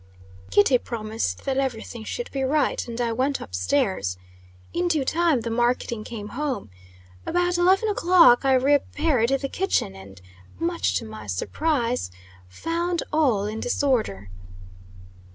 Kitty promised that every thing should be right, and I went up stairs. In due time the marketing came home. About eleven o'clock I repaired to the kitchen, and, much to my surprise, found all in disorder.